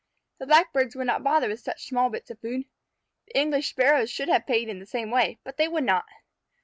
The Blackbirds would not bother with such small bits of food. The English Sparrows should have paid in the same way, but they would not.